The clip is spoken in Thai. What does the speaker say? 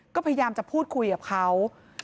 ก็พยายามจะพูดคุยกับเขา